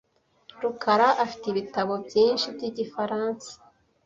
rukara afite ibitabo byinshi byigifaransa .